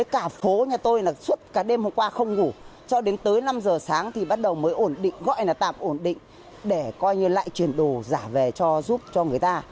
cả phố nhà tôi là suốt cả đêm hôm qua không ngủ cho đến tới năm giờ sáng thì bắt đầu mới ổn định gọi là tạm ổn định để coi như lại chuyển đồ giả về cho giúp cho người ta